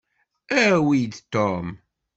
Awi-d Tom.